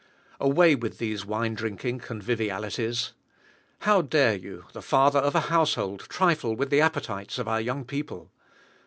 Away with these wine drinking convivialities! How dare you, the father of a household, trifle with the appetites of our young people?